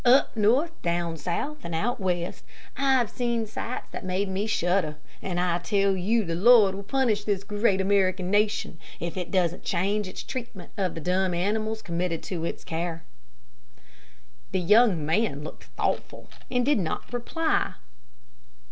Up north, down south, and out west, I've seen sights that made me shudder, and I tell you the Lord will punish this great American nation if it doesn't change its treatment of the dumb animals committed to its care." The young man looked thoughtful, and did not reply.